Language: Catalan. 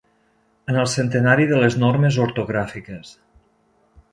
En el centenari de les normes ortogràfiques.